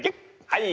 はい！